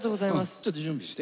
ちょっと準備して。